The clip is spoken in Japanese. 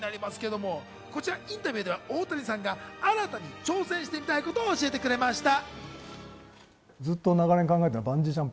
インタビューでは大谷さんが新たに挑戦してみたいことを教えてくれました。